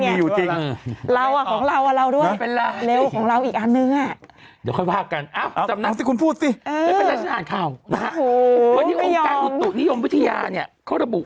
พี่ยุธก็อยากให้เป็นบ้านของฮุ่